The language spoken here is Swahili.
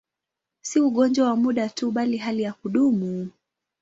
Si ugonjwa wa muda tu, bali hali ya kudumu.